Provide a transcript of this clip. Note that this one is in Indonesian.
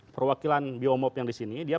perwakilan biomop yang di sini dia